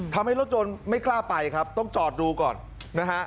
ทำให้รถยนต์ไม่กล้าไปครับต้องจอดดูก่อนนะฮะ